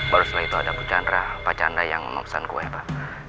baru setelah itu ada bu chandra pak chandra yang memesan kue pak